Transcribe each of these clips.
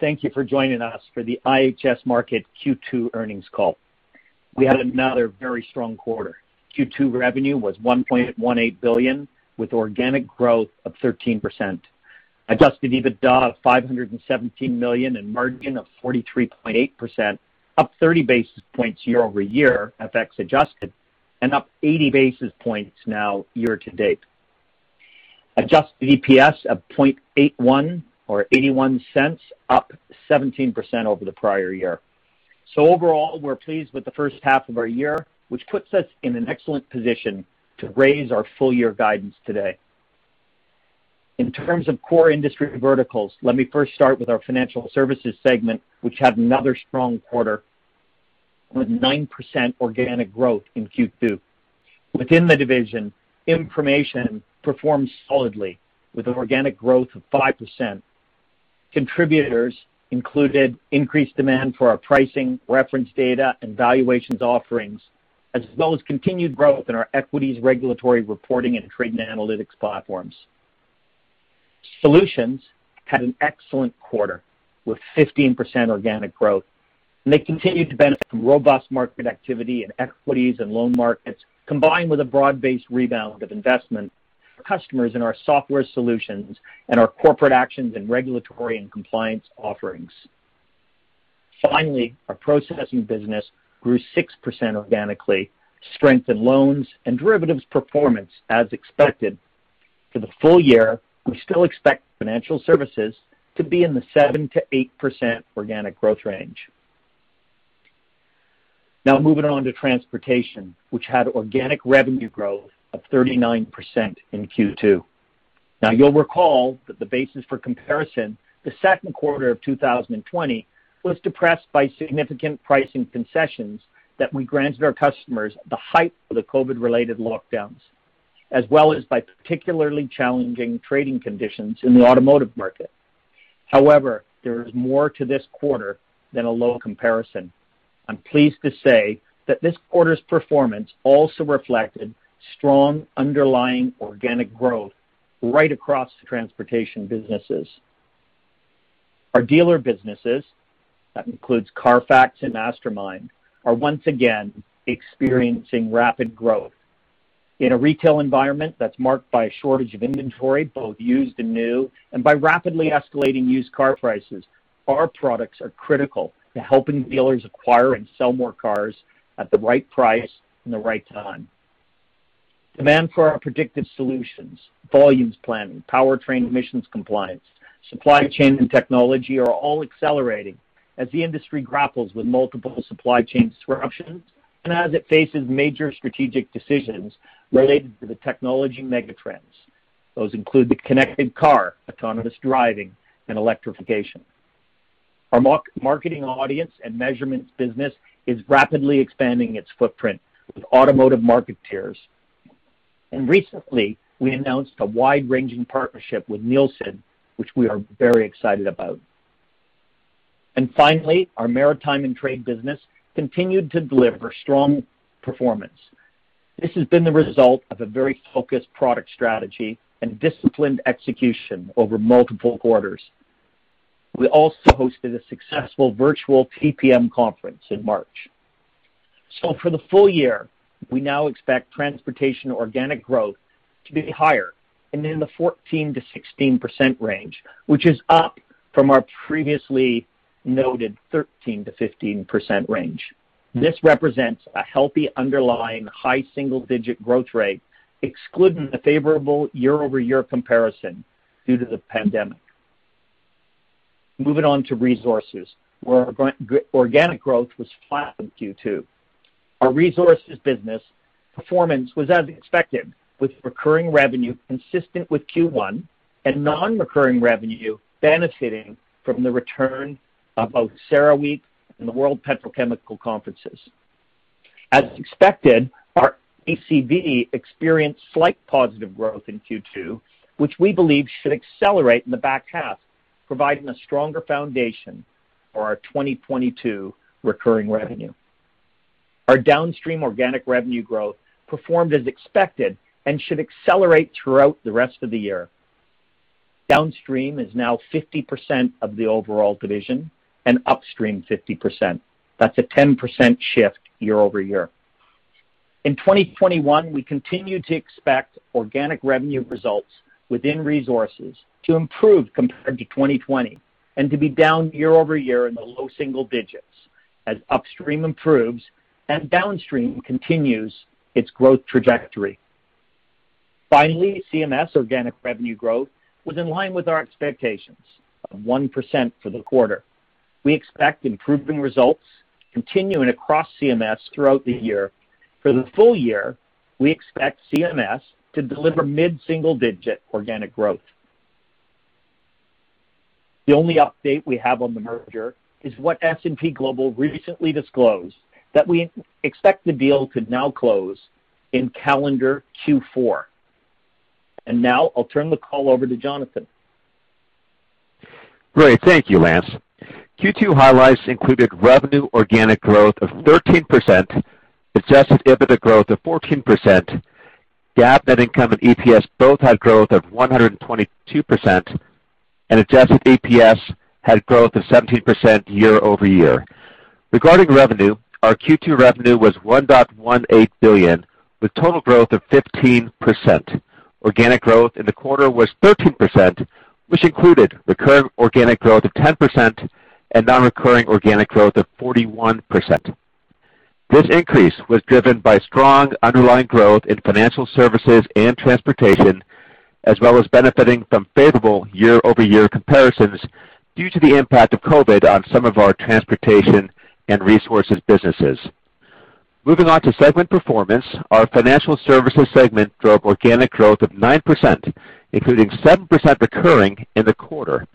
Thank you for joining us for the IHS Markit Q2 earnings call. We had another very strong quarter. Q2 revenue was $1.18 billion with organic growth of 13%. Adjusted EBITDA of $517 million and margin of 43.8%, up 30 basis points year-over-year, FX adjusted, and up 80 basis points now year to date. Adjusted EPS of $0.81 or $0.81 up 17% over the prior year. Overall, we're pleased with the first half of our year, which puts us in an excellent position to raise our full year guidance today. In terms of core industry verticals, let me first start with our financial services segment, which had another strong quarter with 9% organic growth in Q2. Within the division, information performed solidly with an organic growth of 5%. Contributors included increased demand for our pricing, reference data, and valuations offerings, as well as continued growth in our equities regulatory reporting and trading analytics platforms. Solutions had an excellent quarter with 15% organic growth. They continued to benefit from robust market activity in equities and loan markets, combined with a broad-based rebound of investment customers in our software solutions and our corporate actions and regulatory and compliance offerings. Our processing business grew 6% organically. Strength in loans and derivatives performance as expected. We still expect financial services to be in the 7%-8% organic growth range. Moving on to transportation, which had organic revenue growth of 39% in Q2. Now you'll recall that the basis for comparison, the second quarter of 2020, was depressed by significant pricing concessions that we granted our customers at the height of the COVID-related lockdowns, as well as by particularly challenging trading conditions in the automotive market. However, there is more to this quarter than a low comparison. I'm pleased to say that this quarter's performance also reflected strong underlying organic growth right across the transportation businesses. Our dealer businesses, that includes CARFAX and automotiveMastermind, are once again experiencing rapid growth. In a retail environment that's marked by a shortage of inventory, both used and new, and by rapidly escalating used car prices, our products are critical to helping dealers acquire and sell more cars at the right price and the right time. Demand for our predictive solutions, volumes planning, powertrain emissions compliance, supply chain and technology are all accelerating as the industry grapples with multiple supply chain disruptions and as it faces major strategic decisions related to the technology megatrends. Those include the connected car, autonomous driving, and electrification. Our marketing audience and measurements business is rapidly expanding its footprint with automotive marketeers. Recently, we announced a wide-ranging partnership with Nielsen, which we are very excited about. Finally, our maritime and trade business continued to deliver strong performance. This has been the result of a very focused product strategy and disciplined execution over multiple quarters. We also hosted a successful virtual TPM conference in March. For the full year, we now expect transportation organic growth to be higher and in the 14%-16% range, which is up from our previously noted 13%-15% range. This represents a healthy underlying high single-digit growth rate, excluding the favorable year-over-year comparison due to the pandemic. Moving on to resources, where our organic growth was flat in Q2. Our resources business performance was as expected, with recurring revenue consistent with Q1 and non-recurring revenue benefiting from the return of both CERAWeek and the World Petrochemical conferences. As expected, our ECB experienced slight positive growth in Q2, which we believe should accelerate in the back half, providing a stronger foundation for our 2022 recurring revenue. Our downstream organic revenue growth performed as expected and should accelerate throughout the rest of the year. Downstream is now 50% of the overall division and upstream 50%. That's a 10% shift year-over-year. In 2021, we continue to expect organic revenue results within resources to improve compared to 2020 and to be down year-over-year in the low single digits as upstream improves and downstream continues its growth trajectory. Finally, CMS organic revenue growth was in line with our expectations of 1% for the quarter. We expect improving results continuing across CMS throughout the year. For the full year, we expect CMS to deliver mid-single-digit organic growth. The only update we have on the merger is what S&P Global recently disclosed, that we expect the deal to now close in calendar Q4. Now I'll turn the call over to Jonathan. Great. Thank you, Lance. Q2 highlights included revenue organic growth of 13%, adjusted EBITDA growth of 14%. GAAP net income and EPS both had growth of 122%, and adjusted EPS had growth of 17% year-over-year. Regarding revenue, our Q2 revenue was $1.18 billion, with total growth of 15%. Organic growth in the quarter was 13%, which included recurring organic growth of 10% and non-recurring organic growth of 41%. This increase was driven by strong underlying growth in Financial Services and Transportation, as well as benefiting from favorable year-over-year comparisons due to the impact of COVID on some of our Transportation and Resources businesses. Moving on to segment performance, our Financial Services segment drove organic growth of 9%, including 7% recurring in the quarter.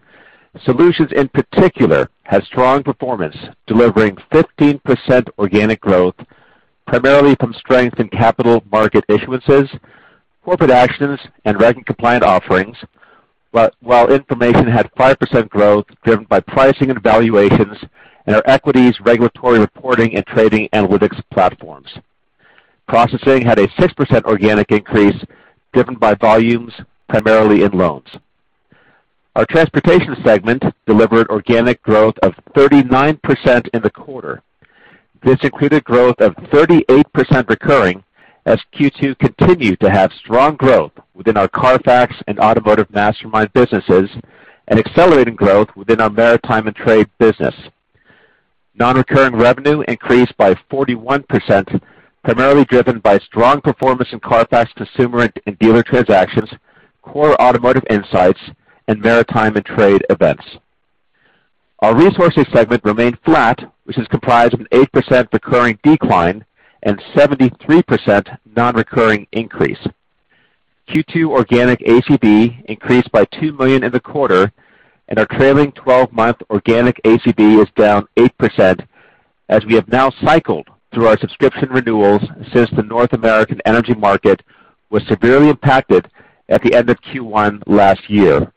Solutions, in particular, had strong performance, delivering 15% organic growth, primarily from strength in capital market issuances, corporate actions, and reg-compliant offerings. While information had 5% growth driven by pricing and valuations in our equities regulatory reporting and trading analytics platforms. Processing had a 6% organic increase driven by volumes primarily in loans. Our transportation segment delivered organic growth of 39% in the quarter. This included growth of 38% recurring as Q2 continued to have strong growth within our CARFAX and automotiveMastermind businesses and accelerating growth within our maritime and trade business. Non-recurring revenue increased by 41%, primarily driven by strong performance in CARFAX consumer and dealer transactions, core automotive insights, and maritime and trade events. Our resources segment remained flat, which is comprised of an 8% recurring decline and 73% non-recurring increase. Q2 organic ACV increased by $2 million in the quarter. Our trailing 12-month organic ACV was down 8% as we have now cycled through our subscription renewals since the North American energy market was severely impacted at the end of Q1 last year.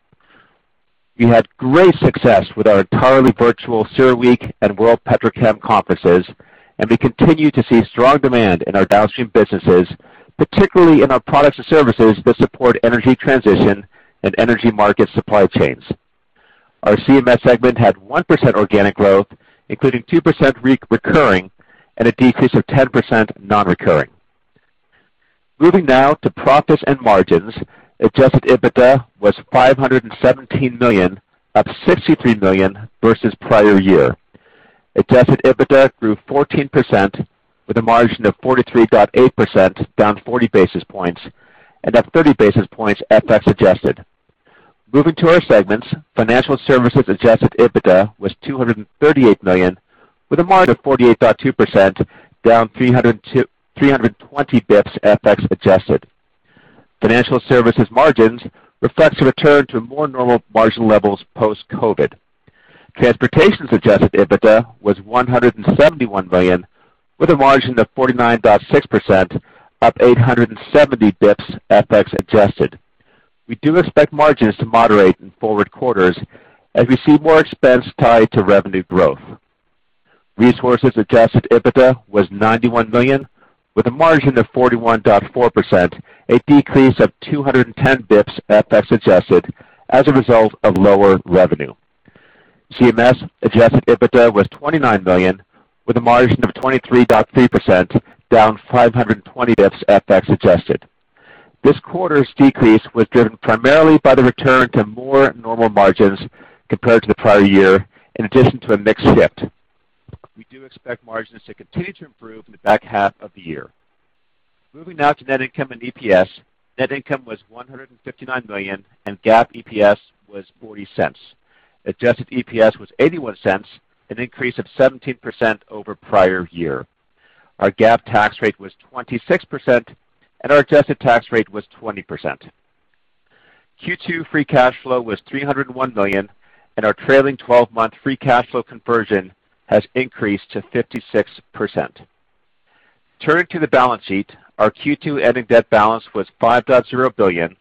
We had great success with our entirely virtual CERAWeek and World Petrochem conferences. We continue to see strong demand in our downstream businesses, particularly in our products and services that support energy transition and energy market supply chains. Our CMS segment had 1% organic growth, including 2% recurring and a decrease of 10% non-recurring. Moving now to profits and margins, adjusted EBITDA was $517 million, up $63 million versus prior year. Adjusted EBITDA grew 14% with a margin of 43.8%, down 40 basis points and up 30 basis points FX adjusted. Moving to our segments, financial services adjusted EBITDA was $238 million, with a margin of 48.2% down 320 BPS FX adjusted. Financial services margins reflect a return to more normal margin levels post-COVID. Transportation adjusted EBITDA was $171 million, with a margin of 49.6%, up 870 BPS FX adjusted. We do expect margins to moderate in forward quarters as we see more expense tied to revenue growth. Resources adjusted EBITDA was $91 million with a margin of 41.4%, a decrease of 210 BPS FX adjusted as a result of lower revenue. CMS adjusted EBITDA was $29 million, with a margin of 23.3%, down 520 BPS FX adjusted. This quarter's decrease was driven primarily by the return to more normal margins compared to the prior year, in addition to a mix shift. We do expect margins to continue to improve in the back half of the year. Moving now to net income and EPS. Net income was $159 million and GAAP EPS was $0.40. Adjusted EPS was $0.81, an increase of 17% over the prior year. Our GAAP tax rate was 26% and our adjusted tax rate was 20%. Q2 free cash flow was $301 million, and our trailing 12-month free cash flow conversion has increased to 56%. Turning to the balance sheet, our Q2 ending debt balance was $5.0 billion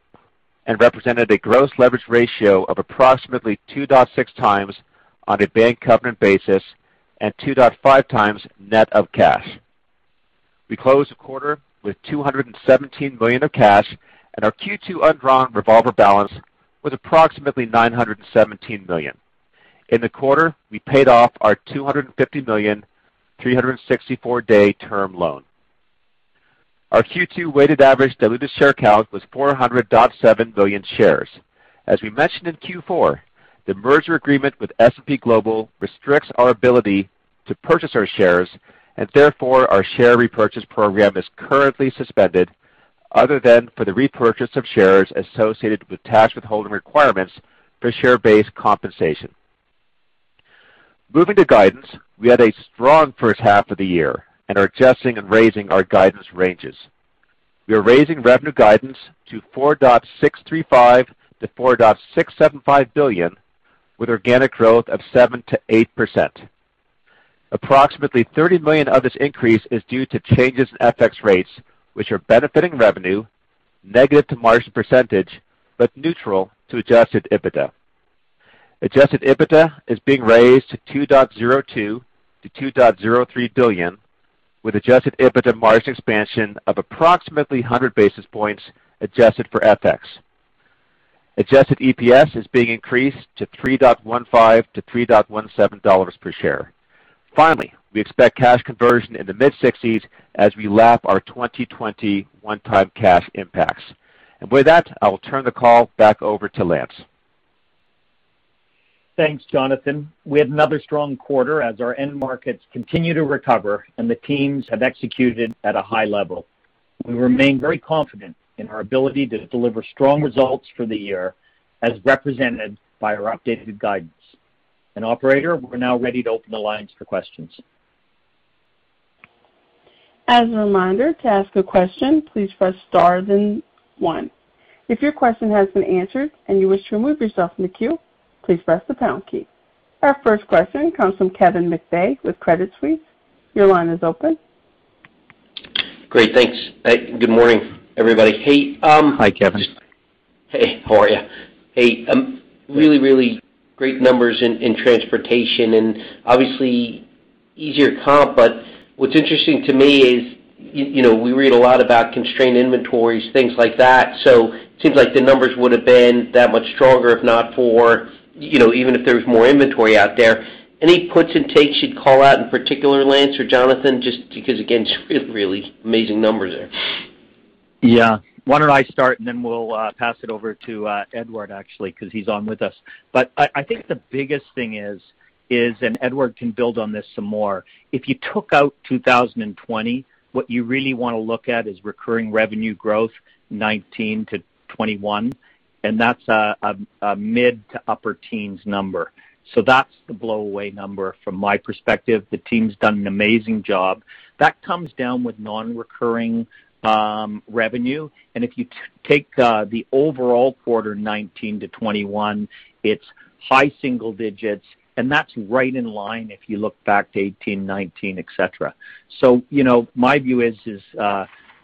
and represented a gross leverage ratio of approximately 2.6 x on a bank covenant basis and 2.5 x net of cash. We closed the quarter with $217 million of cash, and our Q2 undrawn revolver balance was approximately $917 million. In the quarter, we paid off our $250 million, 364-day term loan. Our Q2 weighted average diluted share count was 400.7 million shares. As we mentioned in Q4, the merger agreement with S&P Global restricts our ability to purchase our shares, and therefore our share repurchase program is currently suspended, other than for the repurchase of shares associated with tax withholding requirements for share-based compensation. Moving to guidance, we had a strong first half of the year and are adjusting and raising our guidance ranges. We are raising revenue guidance to $4.635 billion-$4.675 billion with organic growth of 7%-8%. Approximately $30 million of this increase is due to changes in FX rates, which are benefiting revenue negative to margin percentage, but neutral to adjusted EBITDA. Adjusted EBITDA is being raised to $2.02 billion-$2.03 billion, with adjusted EBITDA margin expansion of approximately 100 basis points adjusted for FX. Adjusted EPS is being increased to $3.15-$3.17 per share. We expect cash conversion in the mid-60s as we lap our 2020 one-time cash impacts. With that, I will turn the call back over to Lance. Thanks, Jonathan. We had another strong quarter as our end markets continue to recover, and the teams have executed at a high level. We remain very confident in our ability to deliver strong results for the year, as represented by our updated guidance. Operator, we're now ready to open the lines for questions. As a reminder, to ask a question, please press star then one. If your question has been answered and you wish to remove yourself from the queue, please press the pound key. Our first question comes from Kevin McVeigh with Credit Suisse. Your line is open. Great. Thanks. Good morning, everybody. Hi, Kevin. Hey, how are you? Hey. Really great numbers in transportation and obviously easier comp, but what's interesting to me is, we read a lot about constrained inventories, things like that. Seems like the numbers would've been that much stronger, even if there was more inventory out there. Any puts and takes you'd call out in particular, Lance or Jonathan? Just because, again, it's really amazing numbers there. Yeah. Why don't I start, and then we'll pass it over to Edouard actually, because he's on with us. I think the biggest thing is, and Edouard can build on this some more, if you took out 2020, what you really want to look at is recurring revenue growth 2019 to 2021, and that's a mid to upper teens number. That's the blow-away number from my perspective. The team's done an amazing job. That comes down with non-recurring revenue. If you take the overall quarter 2019 to 2021, it's high single digits, and that's right in line if you look back to 2018, 2019, et cetera. My view is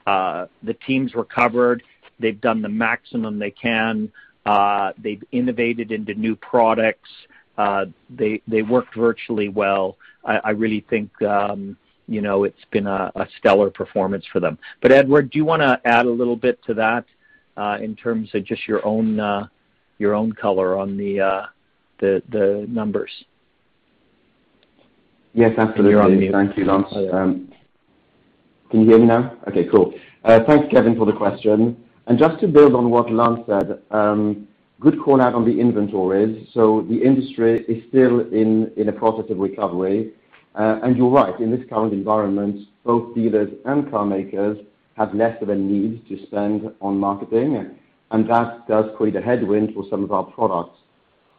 the team's recovered. They've done the maximum they can. They've innovated into new products. They worked virtually well. I really think it's been a stellar performance for them. Edouard, do you want to add a little bit to that in terms of just your own color on the numbers? Yes, absolutely. Thank you, Lance. Can you hear me now? Okay, cool. Thanks, Kevin, for the question. Just to build on what Lance said, good call-out on the inventories. The industry is still in a process of recovery. You're right, in this current environment, both dealers and car makers have less of a need to spend on marketing, and that does create a headwind for some of our products.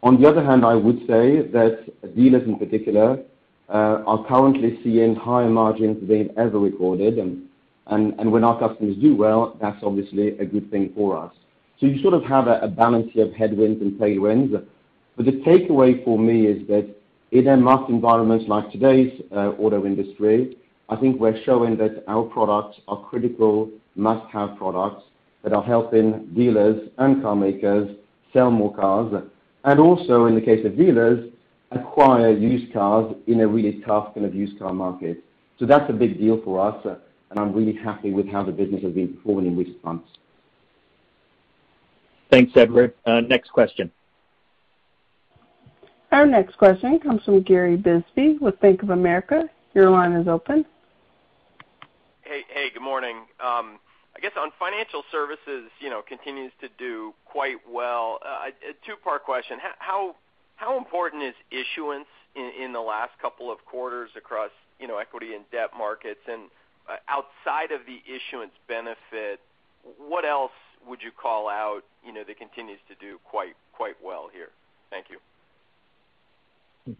On the other hand, I would say that dealers in particular are currently seeing higher margins than they've ever recorded. When our customers do well, that's obviously a good thing for us. You sort of have a balance here of headwinds and tailwinds. The takeaway for me is that in a mass environment like today's auto industry, I think we're showing that our products are critical must-have products that are helping dealers and carmakers sell more cars, and also, in the case of dealers, acquire used cars in a really tough kind of used car market. That's a big deal for us, and I'm really happy with how the business has been performing in recent months. Thanks, Edouard. Next question. Our next question comes from Gary Bisbee with Bank of America. Your line is open. Hey, good morning. I guess on financial services continues to do quite well. A two-part question. How important is issuance in the last couple of quarters across equity and debt markets? Outside of the issuance benefit, what else would you call out that continues to do quite well here? Thank you.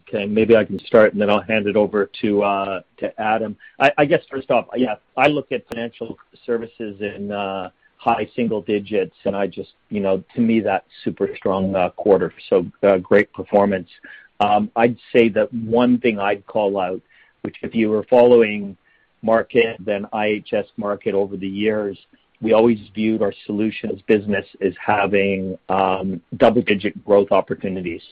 Okay. Maybe I can start, then I'll hand it over to Adam. I guess first off, yeah, I look at financial services in high single digits, to me, that's super strong quarter. Great performance. I'd say that one thing I'd call out, which if you were following IHS Markit over the years, we always viewed our solutions business as having double-digit growth opportunities.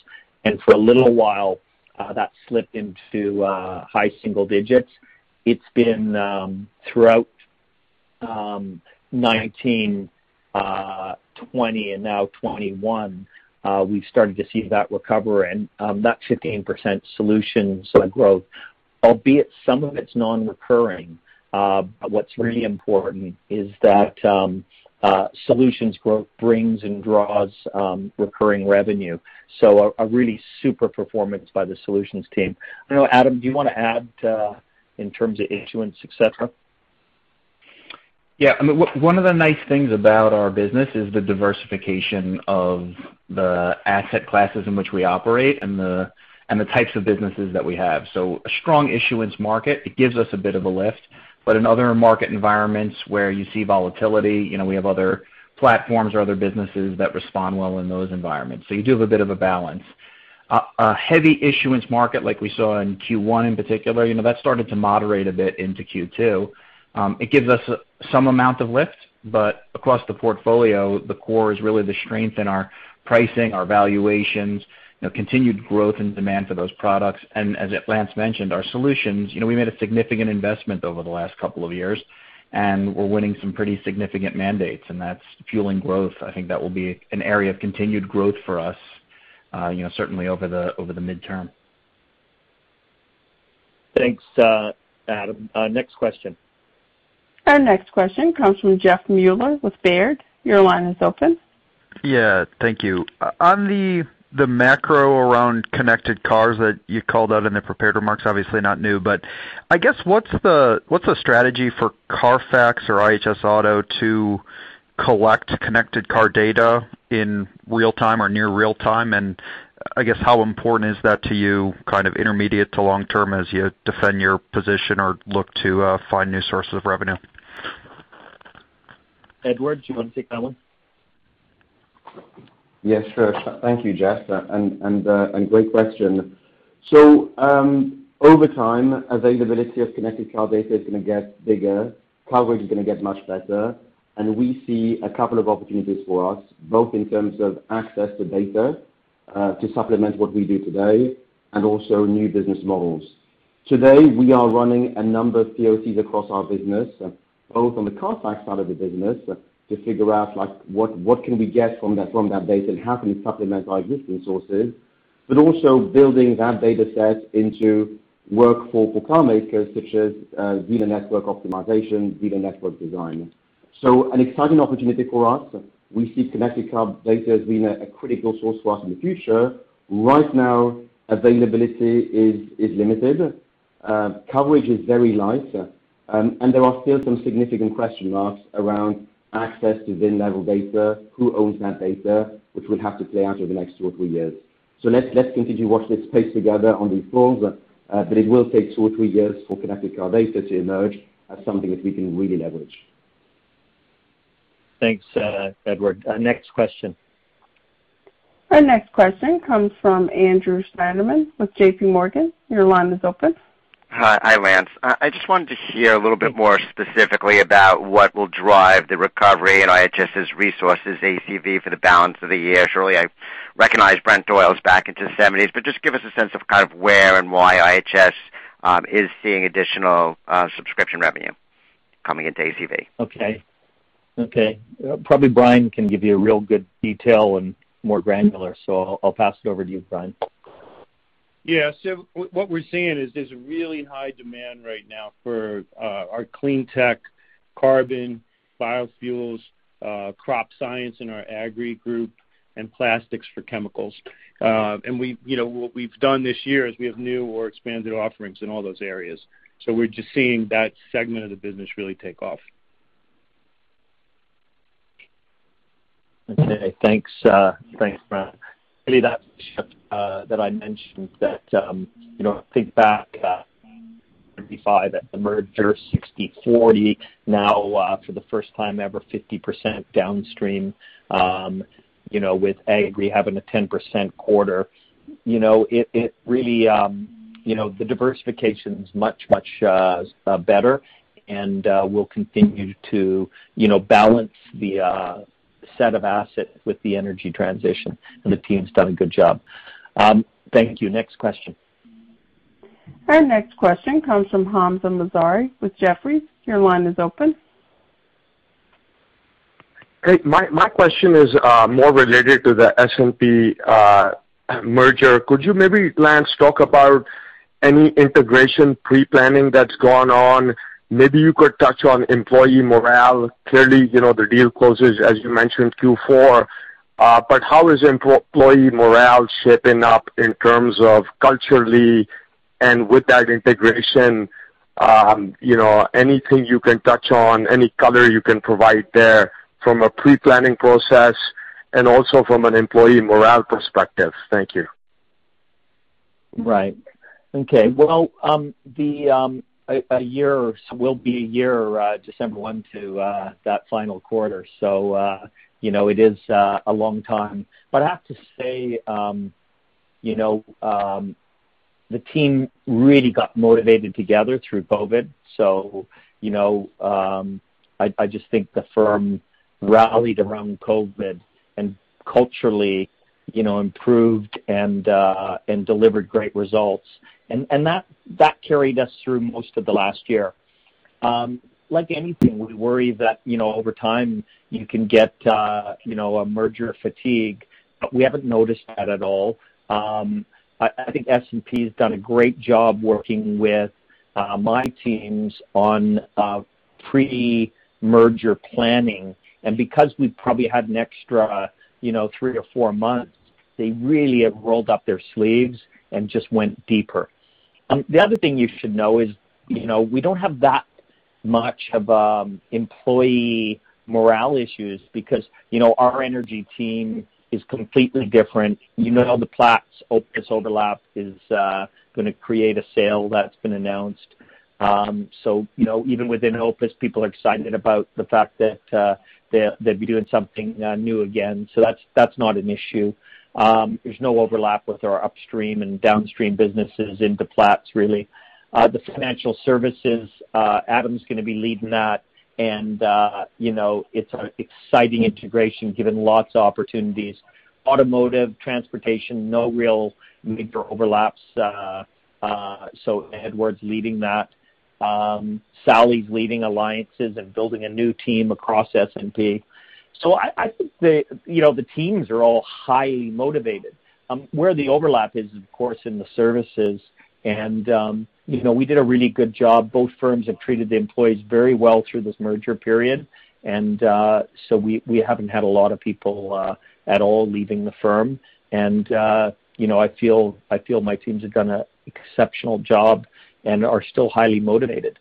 For a little while, that slipped into high single digits. It's been throughout 2019, 2020, and now 2021 we've started to see that recover and that 15% solutions growth, albeit some of it's non-recurring. What's really important is that solutions growth brings and draws recurring revenue. A really super performance by the solutions team. I don't know, Adam, do you want to add in terms of issuance, et cetera? Yeah. One of the nice things about our business is the diversification of the asset classes in which we operate and the types of businesses that we have. A strong issuance market, it gives us a bit of a lift, but in other market environments where you see volatility, we have other platforms or other businesses that respond well in those environments. You do have a bit of a balance. A heavy issuance market like we saw in Q1 in particular, that started to moderate a bit into Q2. It gives us some amount of lift, but across the portfolio, the core is really the strength in our pricing, our valuations, continued growth and demand for those products. As Lance mentioned, our solutions, we made a significant investment over the last couple of years, and we're winning some pretty significant mandates, and that's fueling growth. I think that will be an area of continued growth for us certainly over the midterm. Thanks, Adam. Next question. Our next question comes from Jeffrey Meuler with Baird. Your line is open. Yeah, thank you. On the macro around connected cars that you called out in the prepared remarks, obviously not new, but I guess what's the strategy for CARFAX or IHS Auto to collect connected car data in real time or near real time? I guess how important is that to you, kind of intermediate to long term as you defend your position or look to find new sources of revenue? Edouard, do you want to take that one? Yes, sure. Thank you, Jeff, and great question. Over time, availability of connected car data is going to get bigger, coverage is going to get much better. We see a couple of opportunities for us, both in terms of access to data to supplement what we do today and also new business models. Today, we are running a number of POCs across our business, both on the CARFAX side of the business to figure out what can we get from that data and how can we supplement our existing sources, but also building that data set into work for car makers such as dealer network optimization, dealer network design. An exciting opportunity for us. We see connected car data as being a critical source for us in the future. Right now, availability is limited. Coverage is very light. There are still some significant question marks around access to VIN level data, who owns that data, which will have to play out over the next two or three years. Let's continue to watch this space together on these calls, but it will take two or three years for connected car data to emerge as something that we can really leverage. Thanks, Edouard. Next question. Our next question comes from Andrew Steinerman with JPMorgan. Your line is open. Hi, Lance. I just wanted to hear a little bit more specifically about what will drive the recovery in IHS' resources ACV for the balance of the year. Surely, I recognize Brent oil's back into the $70s, but just give us a sense of kind of where and why IHS is seeing additional subscription revenue coming into ACV. Okay. Probably Brian can give you a real good detail and more granular, so I'll pass it over to you, Brian. Yeah. What we're seeing is there's a really high demand right now for our clean tech, carbon, biofuels, crop science in our Agri group, and plastics for chemicals. What we've done this year is we have new or expanded offerings in all those areas. We're just seeing that segment of the business really take off. Okay. Thanks, Brian. That shift that I mentioned, think back, 35 at the merger, 60/40. For the first time ever, 50% downstream, with agri having a 10% quarter. The diversification's much, much better and will continue to balance the set of assets with the energy transition. The team's done a good job. Thank you. Next question. Our next question comes from Hamzah Mazari with Jefferies. Your line is open. My question is more related to the S&P merger. Could you maybe, Lance, talk about any integration pre-planning that's gone on? Maybe you could touch on employee morale. Clearly, the deal closes, as you mentioned, Q4. How is employee morale shaping up in terms of culturally and with that integration? Anything you can touch on, any color you can provide there from a pre-planning process and also from an employee morale perspective. Thank you. Right. Okay. Well, it will be a year December 1 to that final quarter. It is a long time. I have to say, the team really got motivated together through COVID. I just think the firm rallied around COVID and culturally improved and delivered great results. That carried us through most of the last year. Like anything, we worry that over time you can get a merger fatigue, but we haven't noticed that at all. I think S&P has done a great job working with my teams on pre-merger planning. Because we've probably had an extra three to four months, they really have rolled up their sleeves and just went deeper. The other thing you should know is we don't have that much of employee morale issues because our energy team is completely different. The Platts overlap is going to create a sale that's been announced. Even within OPIS, people are excited about the fact that they'll be doing something new again. That's not an issue. There's no overlap with our upstream and downstream businesses into Platts, really. The financial services, Adam's going to be leading that, and it's an exciting integration, given lots of opportunities. Automotive, transportation, no real major overlaps. Edouard's leading that. Sally's leading alliances and building a new team across S&P. I think the teams are all highly motivated. Where the overlap is, of course, in the services. We did a really good job. Both firms have treated the employees very well through this merger period. We haven't had a lot of people at all leaving the firm. I feel my teams have done an exceptional job and are still highly motivated.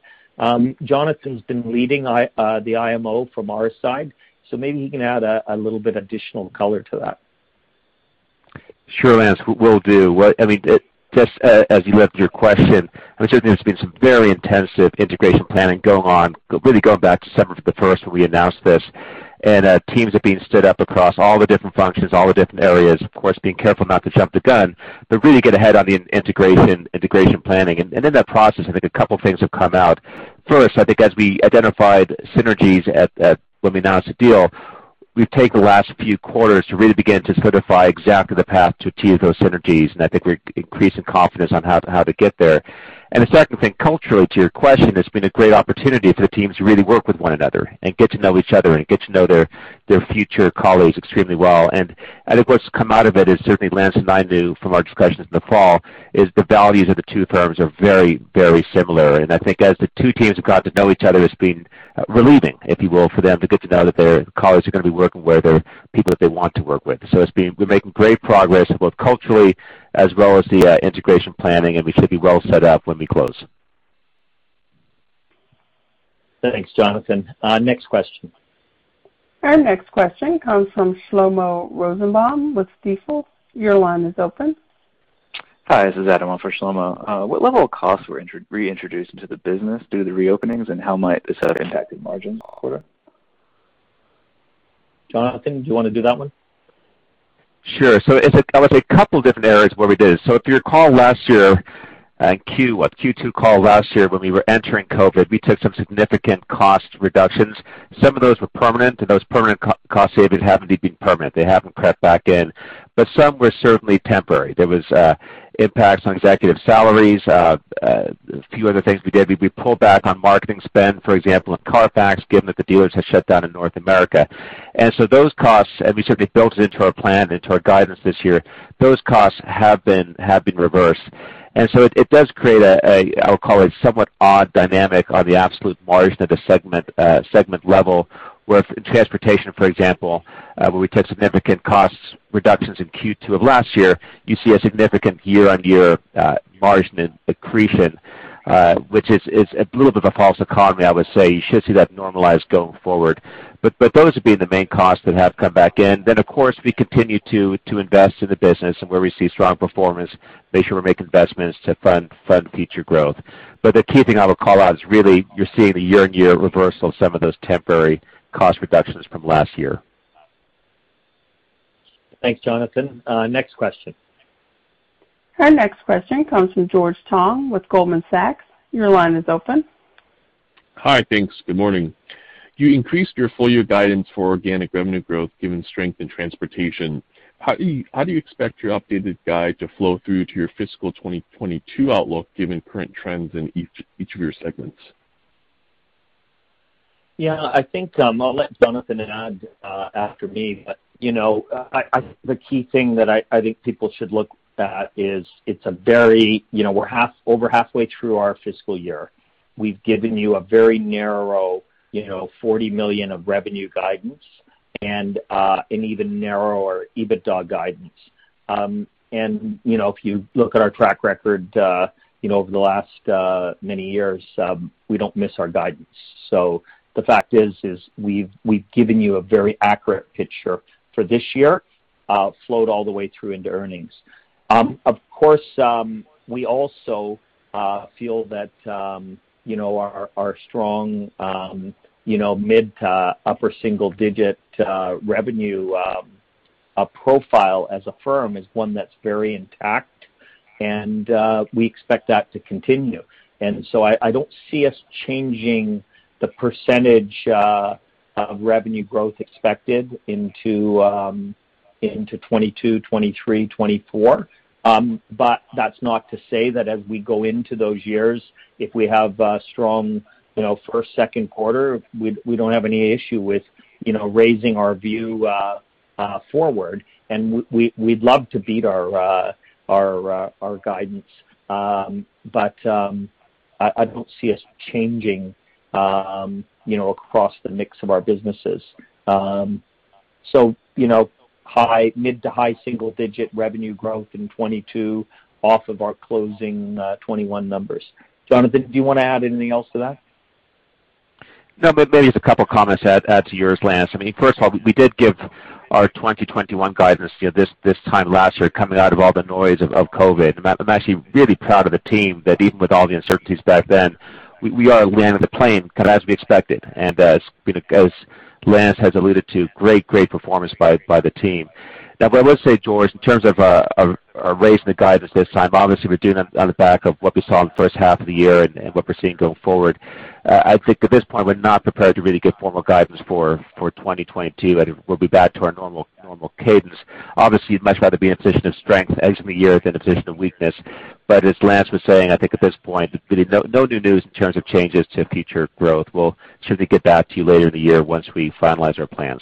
Jonathan's been leading the IMO from our side, so maybe he can add a little bit of additional color to that. Sure, Lance. Will do. As you asked your question, certainly there's been some very intensive integration planning going on, really going back to September 1st when we announced this. Teams are being stood up across all the different functions, all the different areas. Of course, being careful not to jump the gun, but really get ahead on the integration planning. In that process, I think a couple things have come out. First, I think as we identified synergies when we announced the deal, we've taken the last few quarters to really begin to codify exactly the path to achieve those synergies, and I think we're increasing confidence on how to get there. The second thing, culturally, to your question, it's been a great opportunity for the teams to really work with one another and get to know each other and get to know their future colleagues extremely well. I think what's come out of it is certainly Lance and I knew from our discussions in the fall, is the values of the two firms are very similar. I think as the two teams have got to know each other, it's been relieving, if you will, for them to get to know that their colleagues are going to be working where there are people that they want to work with. We're making great progress both culturally as well as the integration planning, and we should be well set up when we close. Thanks, Jonathan. Next question. Our next question comes from Shlomo Rosenbaum with Stifel. Your line is open. Hi, this is Adam on for Shlomo. What level of costs were reintroduced into the business due to the reopenings, and how might this have impacted margin quarter? Jonathan, do you want to do that one? Sure. I would say two different areas where we did. If you recall last year in Q2 call last year when we were entering COVID, we took some significant cost reductions. Some of those were permanent, and those permanent cost savings have indeed been permanent. They haven't crept back in. Some were certainly temporary. There was impacts on executive salaries. A few other things we did, we pulled back on marketing spend, for example, in CARFAX, given that the dealers had shut down in North America. We certainly built it into our plan, into our guidance this year. Those costs have been reversed. It does create a, I'll call it somewhat odd dynamic on the absolute margin at a segment level where in transportation, for example, where we took significant cost reductions in Q2 of last year, you see a significant year-on-year margin accretion, which is a little bit of a false economy, I would say. You should see that normalize going forward. Those have been the main costs that have come back in. Of course, we continue to invest in the business and where we see strong performance, make sure we're making investments to fund future growth. The key thing I would call out is really you're seeing a year-on-year reversal of some of those temporary cost reductions from last year. Thanks, Jonathan. Next question. Our next question comes from George Tong with Goldman Sachs. Your line is open. Hi. Thanks. Good morning. You increased your full year guidance for organic revenue growth given strength in transportation. How do you expect your updated guide to flow through to your fiscal 2022 outlook given current trends in each of your segments? Yeah. I think I'll let Jonathan add after me. The key thing that I think people should look at is we're over halfway through our fiscal year. We've given you a very narrow $40 million of revenue guidance and an even narrower EBITDA guidance. If you look at our track record over the last many years, we don't miss our guidance. The fact is we've given you a very accurate picture for this year, flowed all the way through into earnings. Of course, we also feel that our strong mid to upper single-digit revenue profile as a firm is one that's very intact, and we expect that to continue. I don't see us changing the % of revenue growth expected into 2022, 2023, 2024. That's not to say that as we go into those years, if we have a strong first, second quarter, we don't have any issue with raising our view forward. We'd love to beat our guidance. I don't see us changing across the mix of our businesses. Mid to high single-digit revenue growth in 2022 off of our closing 2021 numbers. Jonathan, do you want to add anything else to that? No, maybe just a couple of comments to add to yours, Lance. First of all, we did give our 2021 guidance this time last year coming out of all the noise of COVID. I'm actually really proud of the team that even with all the uncertainties back then, we are landing the plane kind of as we expected. As Lance has alluded to, great performance by the team. I will say, George, in terms of raising the guidance this time, obviously, we're doing it on the back of what we saw in the first half of the year and what we're seeing going forward. I think at this point, we're not prepared to really give formal guidance for 2022, but we'll be back to our normal cadence. Obviously, you'd much rather be in a position of strength ending the year than a position of weakness. As Lance was saying, I think at this point, no new news in terms of changes to future growth. We'll certainly get back to you later in the year once we finalize our plans.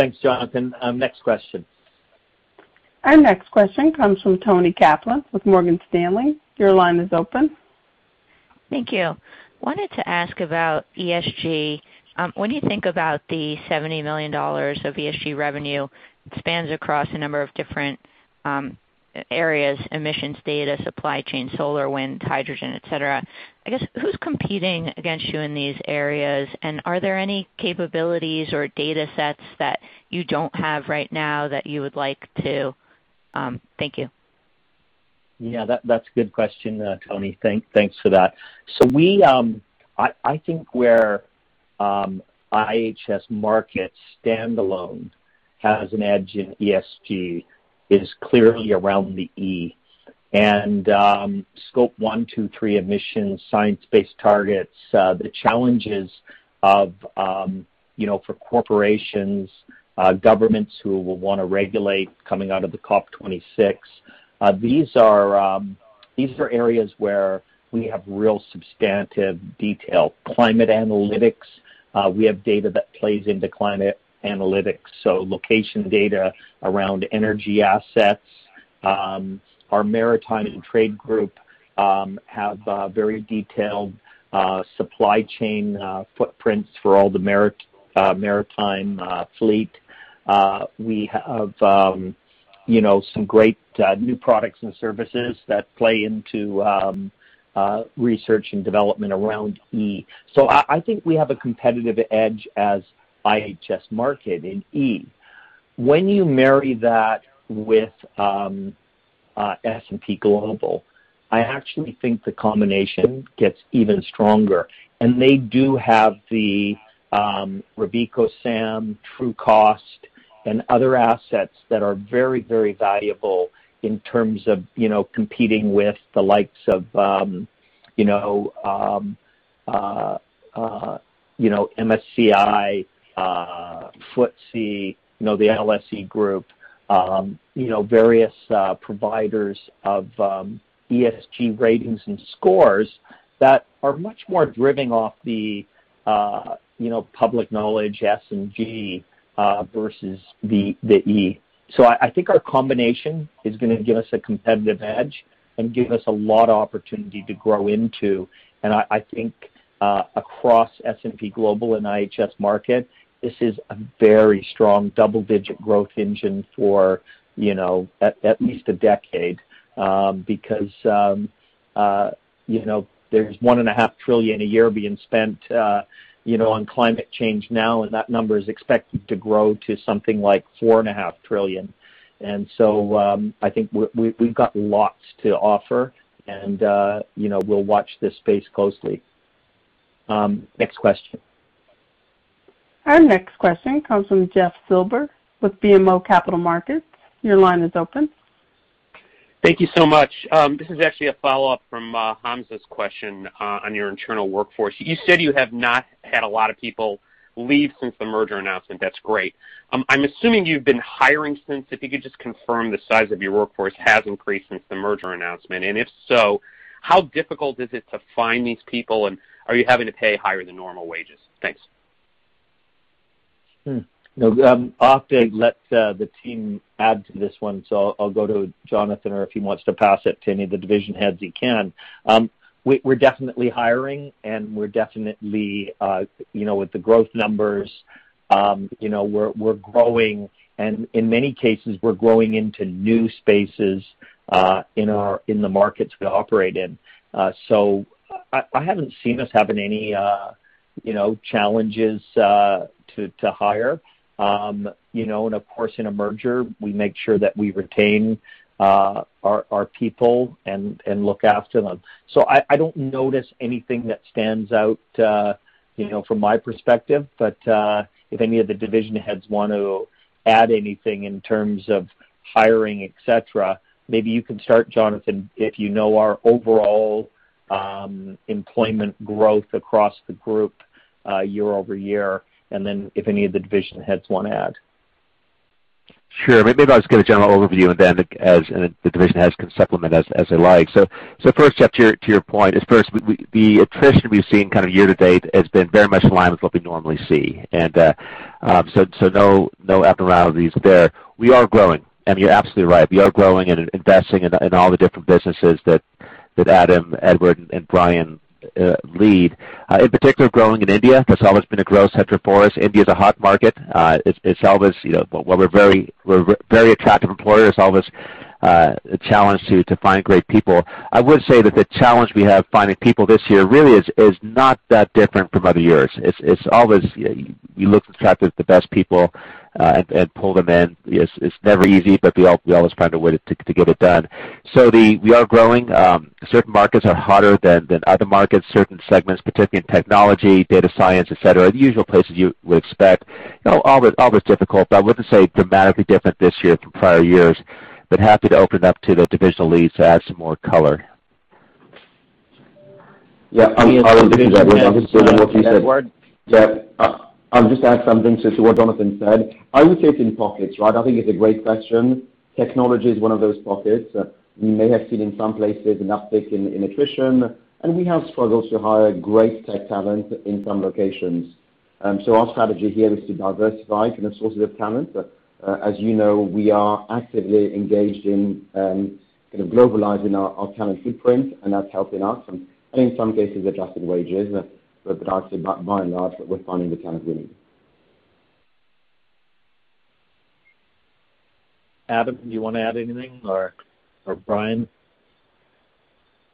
Thanks, Jonathan. Next question. Our next question comes from Toni Kaplan with Morgan Stanley. Your line is open. Thank you. Wanted to ask about ESG. When you think about the $70 million of ESG revenue, it spans across a number of different areas, emissions data, supply chain, solar, wind, hydrogen, et cetera. I guess, who's competing against you in these areas, and are there any capabilities or data sets that you don't have right now that you would like to? Thank you. Yeah, that's a good question, Toni. Thanks for that. I think where IHS Markit standalone has an edge in ESG is clearly around the E. Scope one, two, three emissions, science-based targets the challenges for corporations, governments who will want to regulate coming out of the COP26. These are areas where we have real substantive detail. Climate analytics, we have data that plays into climate analytics, so location data around energy assets. Our maritime and trade group have very detailed supply chain footprints for all the maritime fleet. We have some great new products and services that play into research and development around E. I think we have a competitive edge as IHS Markit in E. When you marry that with S&P Global, I actually think the combination gets even stronger. They do have the RobecoSAM, Trucost, and other assets that are very, very valuable in terms of competing with the likes of MSCI, FTSE, the LSE Group various providers of ESG ratings and scores that are much more driven off the public knowledge S&G versus the E. I think our combination is going to give us a competitive edge and give us a lot of opportunity to grow into. I think across S&P Global and IHS Markit, this is a very strong double-digit growth engine for at least a decade because there's $1.5 trillion a year being spent on climate change now, and that number is expected to grow to something like $4.5 trillion. I think we've got lots to offer, and we'll watch this space closely. Next question. Our next question comes from Jeffrey Silber with BMO Capital Markets. Your line is open. Thank you so much. This is actually a follow-up from Hamzah's question on your internal workforce. You said you have not had a lot of people leave since the merger announcement. That's great. I'm assuming you've been hiring since. If you could just confirm the size of your workforce has increased since the merger announcement. If so, how difficult is it to find these people, and are you having to pay higher than normal wages? Thanks. I'll let the team add to this one. I'll go to Jonathan, or if he wants to pass it to any of the division heads, he can. We're definitely hiring, and we're definitely with the growth numbers we're growing, and in many cases, we're growing into new spaces in the markets we operate in. I haven't seen us having any challenges to hire. Of course, in a merger, we make sure that we retain our people and look after them. I don't notice anything that stands out from my perspective. If any of the division heads want to add anything in terms of hiring, et cetera. Maybe you can start, Jonathan, if you know our overall employment growth across the group year-over-year, and then if any of the division heads want to add. Sure. Maybe I'll just give a general overview, and then the division heads can supplement as they like. First, Jeff, to your point is first, the attrition we've seen year to date has been very much in line with what we normally see. No abnormalities there. We are growing, you're absolutely right. We are growing and investing in all the different businesses that Adam, Edward, and Brian lead. In particular, growing in India. That's always been a growth center for us. India is a hot market. We're a very attractive employer. It's always A challenge to find great people. I would say that the challenge we have finding people this year really is not that different from other years. It's always you look to attract the best people and pull them in. It's never easy, but we always find a way to get it done. We are growing. Certain markets are hotter than other markets, certain segments, particularly technology, data science, etc., the usual places you would expect. Always difficult, but I wouldn't say dramatically different this year from prior years. Happy to open up to those divisions leads to add some more color. Yeah. I would just add something to what Jonathan said. I would say it's in pockets, right? I think it's a great question. Technology is one of those pockets. We may have seen in some places an uptick in attrition, and we have struggled to hire great tech talent in some locations. Our strategy here is to diversify from the sources of talent. As you know, we are actively engaged in globalizing our talent footprint, and that's helping us. In some cases, adjusting wages. By and large, we're finding the talent we need. Adam, do you want to add anything, or Brian?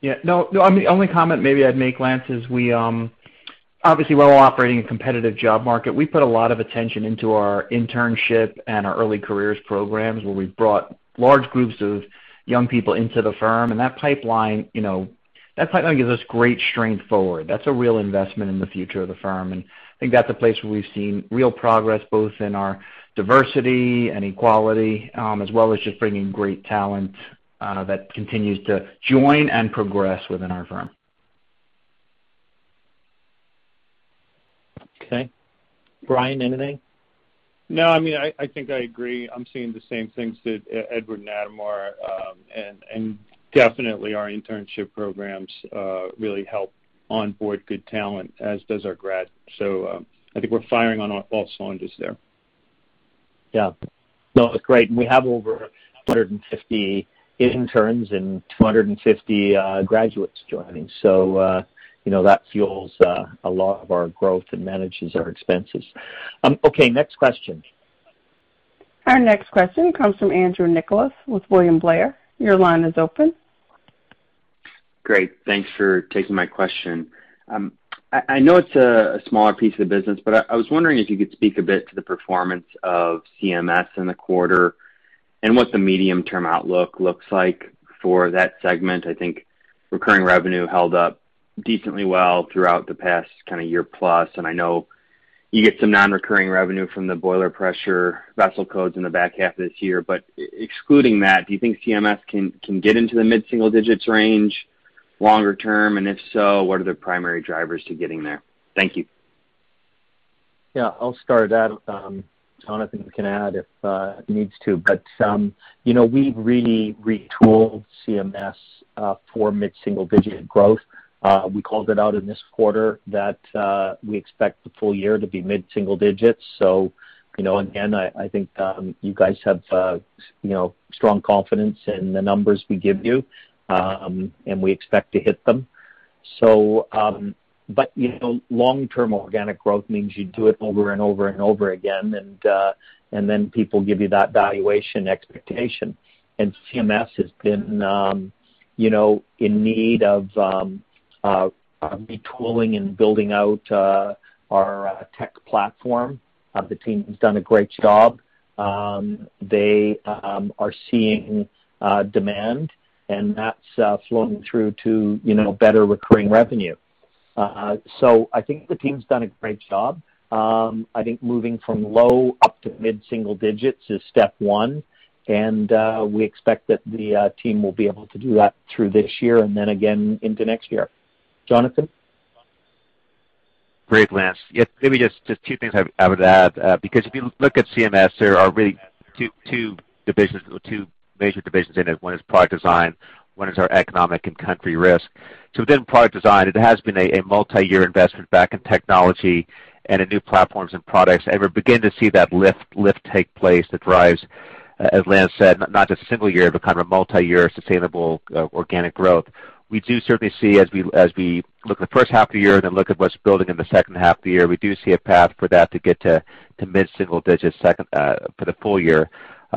Yeah, no. The only comment maybe I'd make, Lance, is we obviously while operating in a competitive job market, we put a lot of attention into our internship and our early careers programs where we've brought large groups of young people into the firm, and that pipeline gives us great strength forward. That's a real investment in the future of the firm, and I think that's a place where we've seen real progress, both in our diversity and equality, as well as just bringing great talent that continues to join and progress within our firm. Okay. Brian, anything? No, I think I agree. I'm seeing the same things that Edward and Adam are. Definitely our internship programs really help onboard good talent, as does our grads. I think we're firing on all cylinders there. Yeah. No, that's great. We have over 150 interns and 250 graduates joining. That fuels a lot of our growth and manages our expenses. Okay, next question. Our next question comes from Andrew Nicholas with William Blair. Your line is open. Great. Thanks for taking my question. I know it's a smaller piece of the business, but I was wondering if you could speak a bit to the performance of CMS in the quarter and what the medium-term outlook looks like for that segment. I think recurring revenue held up decently well throughout the past year plus, and I know you get some non-recurring revenue from the boiler pressure vessel codes in the back half of this year. Excluding that, do you think CMS can get into the mid-single digits range longer term? If so, what are the primary drivers to getting there? Thank you. Yeah, I'll start that. Jonathan can add if he needs to. We've really retooled CMS for mid-single-digit growth. We called it out in this quarter that we expect the full year to be mid-single digits. Again, I think you guys have strong confidence in the numbers we give you, and we expect to hit them. Long-term organic growth means you do it over and over and over again, and then people give you that valuation expectation. CMS has been in need of retooling and building out our tech platform. The team has done a great job. They are seeing demand, and that's flowing through to better recurring revenue. I think the team's done a great job. I think moving from low up to mid-single digits is step one, and we expect that the team will be able to do that through this year and then again into next year. Jonathan? Great, Lance. Maybe just two things I would add, because if you look at CMS, there are really two major divisions in it. One is product design, one is our economic and country risk. Within product design, it has been a multi-year investment back in technology and in new platforms and products, and we're beginning to see that lift take place, that drives, as Lance said, not just single year, but kind of a multi-year sustainable organic growth. We do certainly see as we look at the first half of the year and then look at what's building in the second half of the year, we do see a path for that to get to mid-single digits for the full year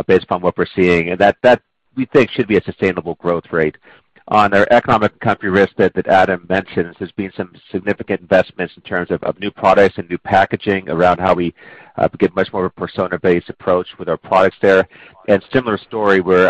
based on what we're seeing. That we think should be a sustainable growth rate. On our economic and country risk that Adam mentioned, there's been some significant investments in terms of new products and new packaging around how we get much more of a persona-based approach with our products there. Similar story where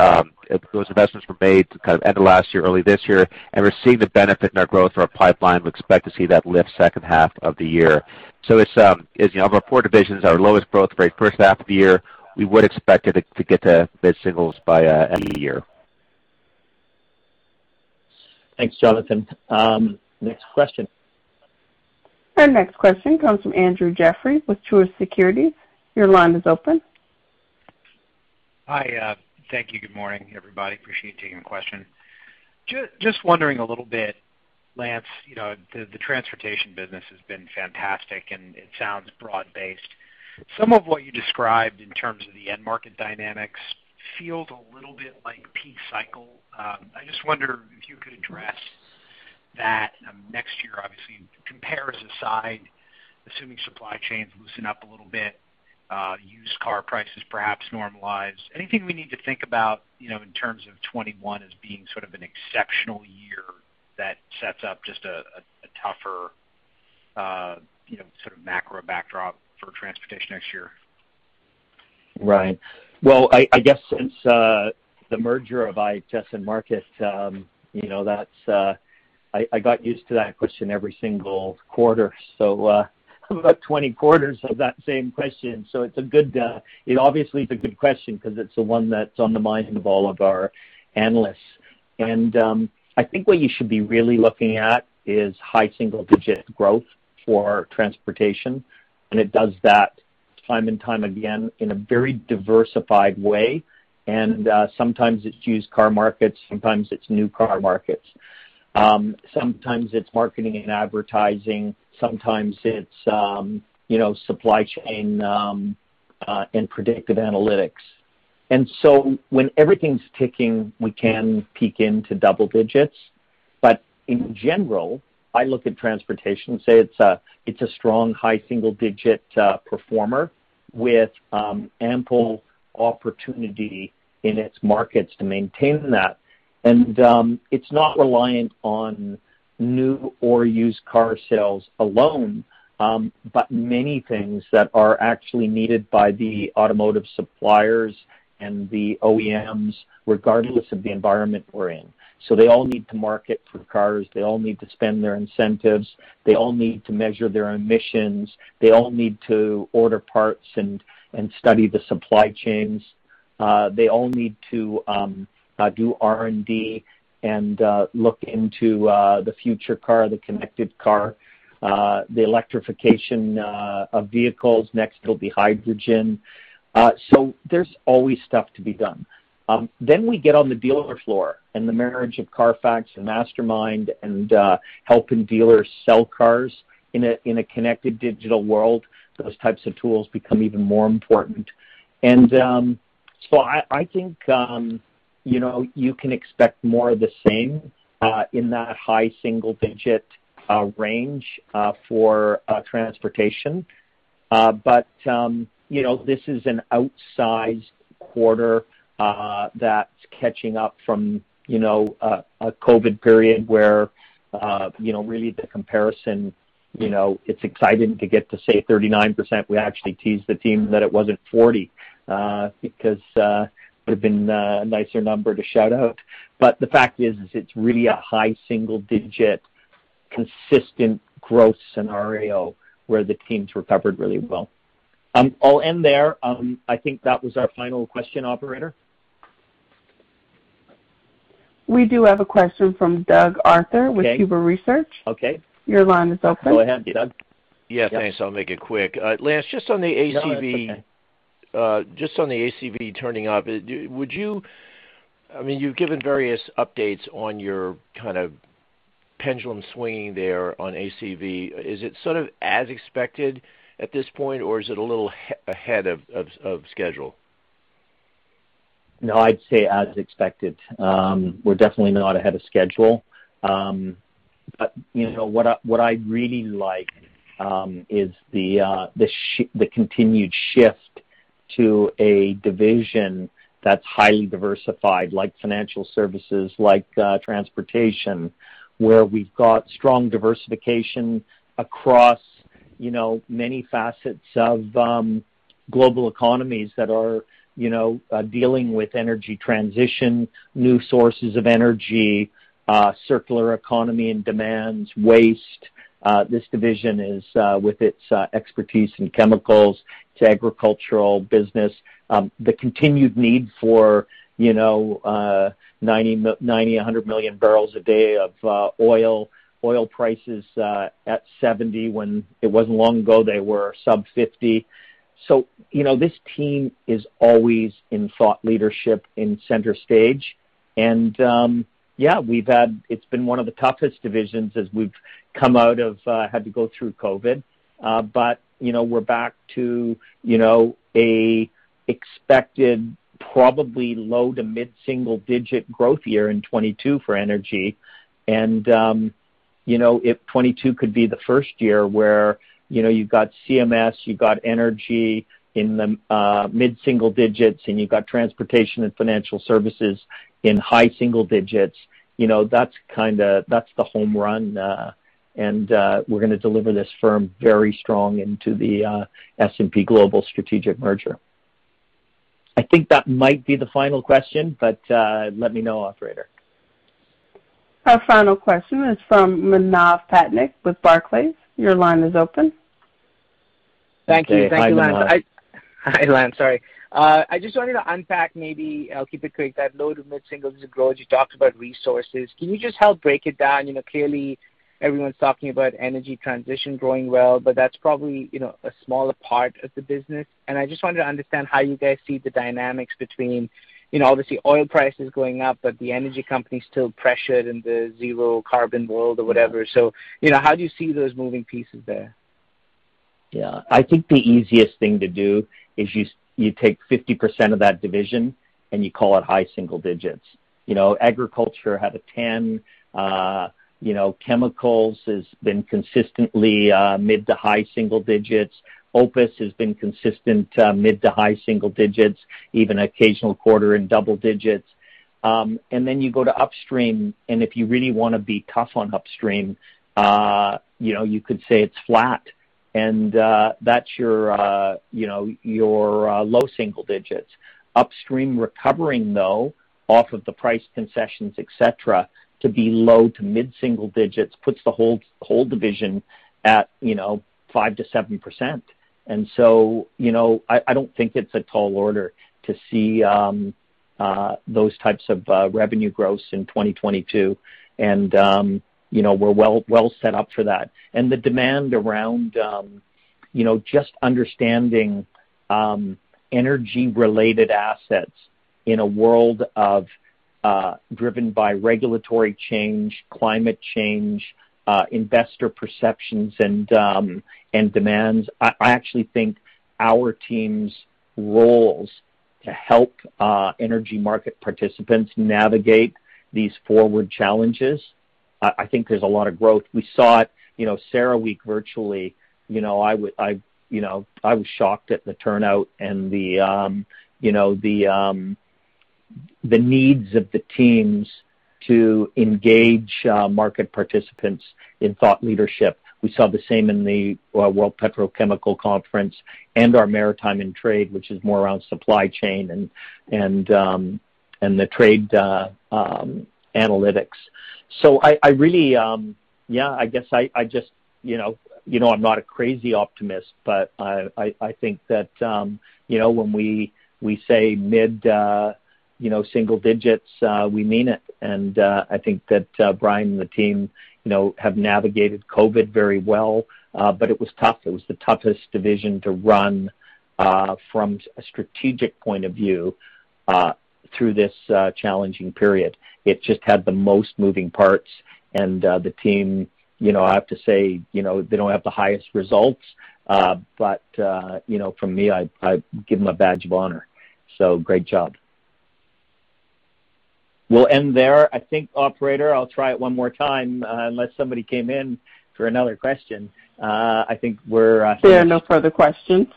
those investments were made end of last year, early this year. We're seeing the benefit in our growth, our pipeline. We expect to see that lift second half of the year. As of our four divisions, our lowest growth rate first half of the year, we would expect it to get to mid-singles by end of the year. Thanks, Jonathan. Next question. Our next question comes from Andrew Jeffrey with Truist Securities. Your line is open. Hi. Thank you. Good morning, everybody. Appreciate you taking the question. Just wondering a little bit, Lance, the transportation business has been fantastic, and it sounds broad-based. Some of what you described in terms of the end market dynamics feels a little bit like peak cycle. I just wonder if you could address that side, assuming supply chains loosen up a little bit, used car prices perhaps normalize. Anything we need to think about in terms of 2021 as being sort of an exceptional year that sets up just a tougher sort of macro backdrop for transportation next year? Right. I guess since the merger of IHS Markit, I got used to that question every single quarter, so about 20 quarters of that same question. It obviously is a good question because it's the one that's on the mind of all of our analysts. I think what you should be really looking at is high single-digit growth for transportation, and it does that time and time again in a very diversified way. Sometimes it's used car markets, sometimes it's new car markets. Sometimes it's marketing and advertising, sometimes it's supply chain and predictive analytics. When everything's ticking, we can peek into double digits. In general, I look at transportation and say it's a strong high single-digit performer with ample opportunity in its markets to maintain that. It's not reliant on new or used car sales alone, but many things that are actually needed by the automotive suppliers and the OEMs, regardless of the environment we're in. They all need to market for cars. They all need to spend their incentives. They all need to measure their emissions. They all need to order parts and study the supply chains. They all need to do R&D and look into the future car, the connected car, the electrification of vehicles. It'll be hydrogen. There's always stuff to be done. We get on the dealer floor and the marriage of CARFAX and automotiveMastermind and helping dealers sell cars in a connected digital world. Those types of tools become even more important. I think you can expect more of the same, in that high single-digit range for transportation. This is an outsized quarter that's catching up from a COVID period where really the comparison, it's exciting to get to, say, 39%. We actually teased the team that it wasn't 40, because it would've been a nicer number to shout out. The fact is it's really a high single-digit, consistent growth scenario where the teams recovered really well. I'll end there. I think that was our final question, operator. We do have a question from Doug Arthur. Okay with Huber Research Partners. Okay. Your line is open. Go ahead, Doug. Yeah, thanks. I'll make it quick. Lance, just on the ACV. No, that's okay. Just on the ACV turning up, I mean, you've given various updates on your kind of pendulum swinging there on ACV. Is it sort of as expected at this point, or is it a little ahead of schedule? No, I'd say as expected. We're definitely not ahead of schedule. What I really like is the continued shift to a division that's highly diversified, like financial services, like transportation, where we've got strong diversification across many facets of global economies that are dealing with energy transition, new sources of energy, circular economy and demands, waste. This division is, with its expertise in chemicals, its agricultural business, the continued need for 90 million, 100 million barrels a day of oil. Oil price is at $70, when it wasn't long ago they were sub $50. This team is always in thought leadership in center stage. It's been one of the toughest divisions as we've had to go through COVID. We're back to a expected probably low to mid single-digit growth year in 2022 for energy. If 2022 could be the first year where you've got CMS, you've got energy in the mid-single digits, and you've got transportation and financial services in high-single digits, that's the home run. We're going to deliver this firm very strong into the S&P Global strategic merger. I think that might be the final question. Let me know, operator. Our final question is from Manav Patnaik with Barclays. Your line is open. Thank you. Hi, Manav. Thank you, Manav. Hi, Manav. Sorry. I just wanted to unpack maybe, I'll keep it quick, that low to mid single-digit growth. You talked about resources. Can you just help break it down? Clearly everyone's talking about energy transition growing well, but that's probably a smaller part of the business. I just wanted to understand how you guys see the dynamics between, obviously oil prices going up, but the energy companies still pressured in the zero carbon world or whatever. How do you see those moving pieces there? Yeah. I think the easiest thing to do is you take 50% of that division and you call it high single digits. Agriculture had a 10. Chemicals has been consistently mid to high single digits. OPIS has been consistent mid to high single digits, even occasional quarter in double digits. You go to upstream, and if you really want to be tough on upstream, you could say it's flat, and that's your low single digits. Upstream recovering, though, off of the price concessions, et cetera, to be low to mid-single digits puts the whole division at 5%-7%. I don't think it's a tall order to see those types of revenue growth in 2022. We're well set up for that. The demand around just understanding energy-related assets in a world driven by regulatory change, climate change, investor perceptions, and demands. I actually think our team's roles to help energy market participants navigate these forward challenges, I think there's a lot of growth. We saw it, CERAWeek virtually. I was shocked at the turnout and the needs of the teams to engage market participants in thought leadership. We saw the same in the World Petrochemical Conference and our Maritime and Trade, which is more around supply chain and the trade analytics. I'm not a crazy optimist, but I think that when we say mid-single digits, we mean it. I think that Brian and the team have navigated COVID very well, but it was tough. It was the toughest division to run from a strategic point of view through this challenging period. It just had the most moving parts, and the team, I have to say, they don't have the highest results, but from me, I give them a badge of honor. Great job. We'll end there. I think, operator, I'll try it one more time unless somebody came in for another question. There are no further questions.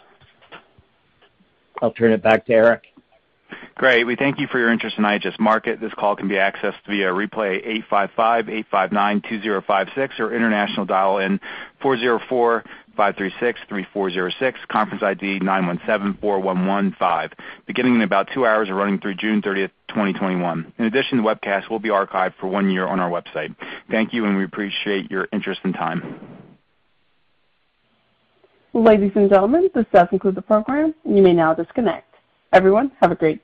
I'll turn it back to Eric. Great. We thank you for your interest in IHS Markit. Thank you, and we appreciate your interest and time. Ladies and gentlemen, this does conclude the program. You may now disconnect. Everyone, have a great day.